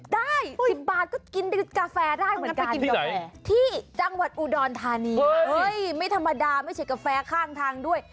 ได้๑๐บาทก็กินกาแฟได้เหมือนกันไปกินกาแฟที่จังหวัดอุดรธานีไม่ธรรมดาไม่ใช่กาแฟข้างทางด้วย